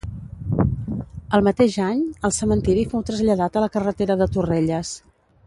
El mateix any, el cementiri fou traslladat a la carretera de Torrelles.